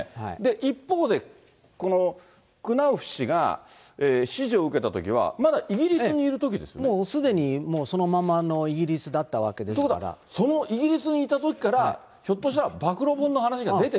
一方で、このクナウフ氏が指示を受けたときは、もうすでに、もうそのままのイギリスだったわけですから。ということは、そのイギリスにいたときから、ひょっとしたら暴露本の話が出てて。